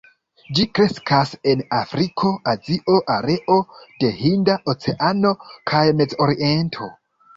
Ĝi kreskas en Afriko, Azio, areo de Hinda Oceano kaj Mez-Oriento.